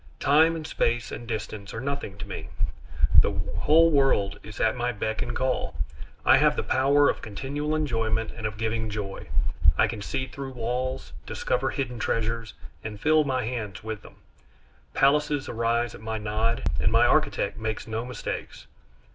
Time and space and distance are nothing to me. The whole world is at my beck and call. I have the power of continual enjoyment and of giving joy. I can see through walls, discover hidden treasures, and fill my hands with them. Palaces arise at my nod, and my architect makes no mistakes.